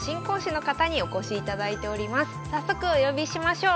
今日は早速お呼びしましょう。